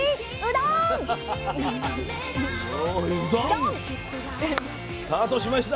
どんっ！スタートしました。